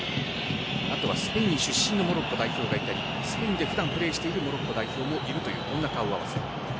スペイン出身のモロッコ代表がいたりスペインで普段プレーしているモロッコ代表もいるという顔合わせ。